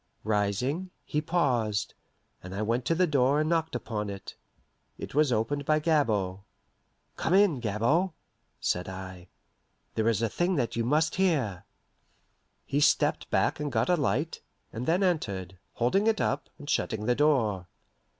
Rising, he paused, and I went to the door and knocked upon it. It was opened by Gabord. "Come in, Gabord," said I. "There is a thing that you must hear." He stepped back and got a light, and then entered, holding it up, and shutting the door.